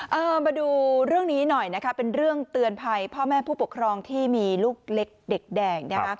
เอามาดูเรื่องนี้หน่อยนะคะเป็นเรื่องเตือนภัยพ่อแม่ผู้ปกครองที่มีลูกเล็กเด็กแดงนะคะ